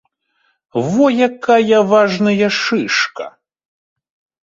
Во якая важная шышка!